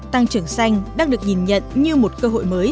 tăng trưởng xanh đang được nhìn nhận như một cơ hội mới